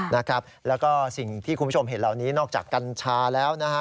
นะครับแล้วก็สิ่งที่คุณผู้ชมเห็นเหล่านี้นอกจากกัญชาแล้วนะฮะ